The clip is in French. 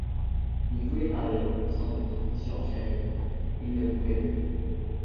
Il voulait parler, sans doute, pour surenchérir, il ne le pouvait plus.